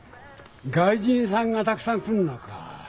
外人さんがたくさん来るのかい。